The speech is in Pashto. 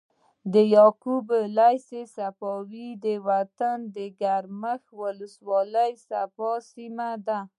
د يعقوب ليث صفاري وطن د ګرمسېر ولسوالي د صفار سيمه ده۔